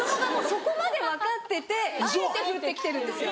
そこまで分かっててあえてふってきてるんですよ。